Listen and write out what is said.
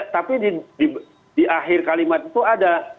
tapi di akhir kalimat itu ada